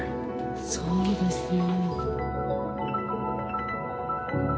そうですね。